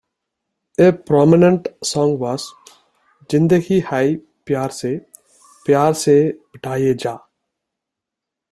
A prominent song was " Zindagi hai pyar se, pyar se bitaye ja"